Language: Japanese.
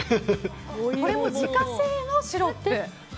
これも自家製のシロップ？